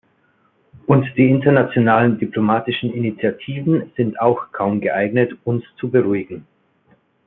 Und die internationalen diplomatischen Initiativen sind auch kaum geeignet, uns zu beruhigen.